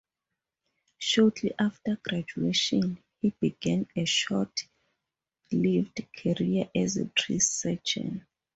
Shortly after graduation, he began a short-lived career as a tree surgeon.